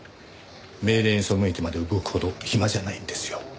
命令に背いてまで動くほど暇じゃないんですよ。